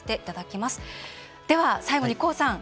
では、最後にＫＯＯさん。